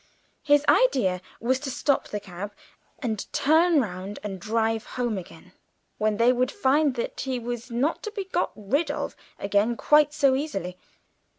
His idea was to stop the cab, and turn round and drive home again, when they would find that he was not to be got rid of again quite so easily.